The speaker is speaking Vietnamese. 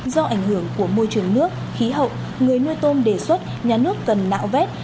do ảnh hưởng của môi trường nước khí hậu người nuôi tôm đề xuất nhà nước cần nạo vét